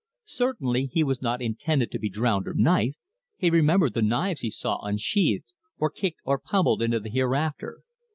Certainly he was not intended to be drowned or knifed he remembered the knives he saw unsheathed or kicked or pummelled into the hereafter.